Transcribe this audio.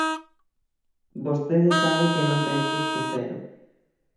Vostede sabe que non ten custo cero.